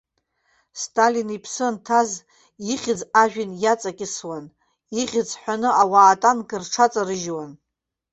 Сталин иԥсы анҭаз ихьӡ ажәҩан иаҵакьысуан, ихьӡ ҳәаны ауаа атанк рҽаҵарыжьуан.